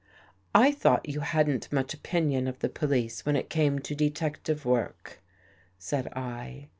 ' I thought you hadn't much opinion of the police when it came to detective work," said I.